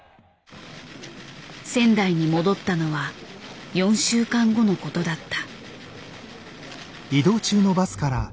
仙台に戻ったのは４週間後のことだった。